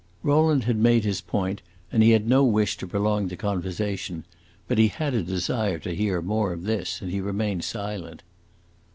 Rowland had made his point and he had no wish to prolong the conversation; but he had a desire to hear more of this, and he remained silent.